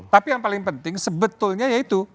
tapi yang paling penting sebetulnya yaitu